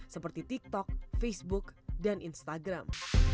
seperti tiktok facebook dan instagram